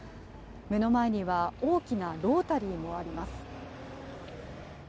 目の前には大きなロータリーもあります。